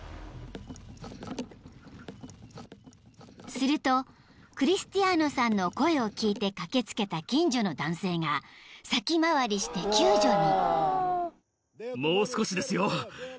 ［するとクリスティアーノさんの声を聞いて駆け付けた近所の男性が先回りして救助に］